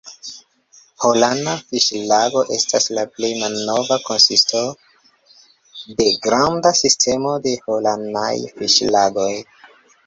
Holana fiŝlago estas la plej malnova konsisto de granda sistemo de Holanaj fiŝlagoj.